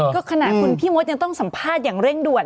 ก็ขณะคุณพี่มดยังต้องสัมภาษณ์อย่างเร่งด่วน